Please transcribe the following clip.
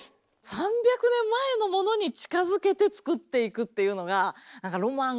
３００年前のものに近づけて作っていくっていうのがうん。